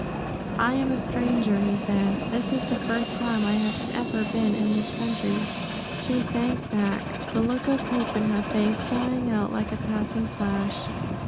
"I am a stranger," he said. "This is the first time I have ever been in this country." She sank back, the look of hope in her face dying out like a passing flash.